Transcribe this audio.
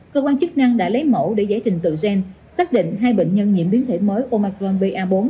cơ quan chức năng đã lấy mẫu để giải trình tự gen xác định hai bệnh nhân nhiễm biến thể mới omar bốn